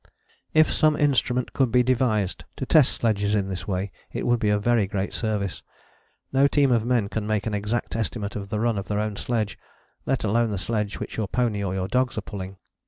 If some instrument could be devised to test sledges in this way it would be of very great service. No team of men can make an exact estimate of the run of their own sledge, let alone the sledge which your pony or your dogs are pulling.